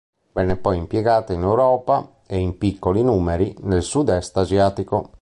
Venne poi impiegata in Europa e, in piccoli numeri, nel sud-est asiatico.